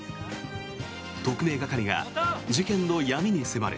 特命係が事件の闇に迫る！